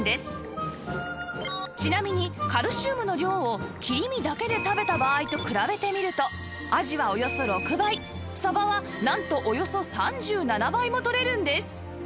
ちなみにカルシウムの量を切り身だけで食べた場合と比べてみるとあじはおよそ６倍さばはなんとおよそ３７倍もとれるんです